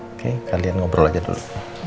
oke kalian ngobrol aja dulu